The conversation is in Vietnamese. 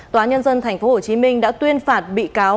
tòa nhân dân tp hcm đã tuyên phạt bị cáo